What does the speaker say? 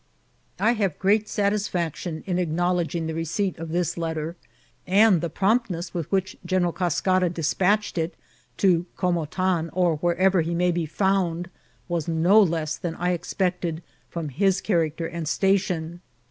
I have great satis£action in acknowledging the receipt of this letter ; and the promptness with urtiich General Cascara deiqpatched it to ^' Comotan, or wher* 126 IVCIDBNT8 OF TRATIL. ever he may be found," was no leas than I expected from his character and station.